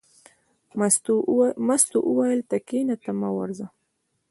مستو وویل: ته کېنه ته مه ورځه.